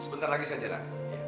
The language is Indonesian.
sebentar lagi saja nak